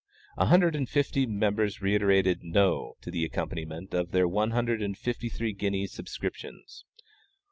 A hundred and fifty members reiterated "no" to the accompaniment of their one hundred and fifty three guinea subscriptions.